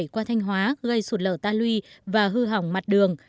hai trăm một mươi bảy qua thanh hóa gây sụt lở ta luy và hư hỏng mặt đường